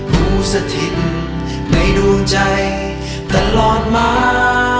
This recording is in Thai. ผู้สถิตในดวงใจตลอดมา